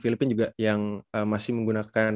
filipina juga yang masih menggunakan